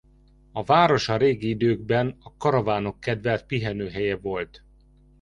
A város a régi időkben a karavánok kedvelt pihenőhelye volt.